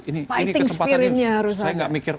ini kesempatan yang saya gak mikir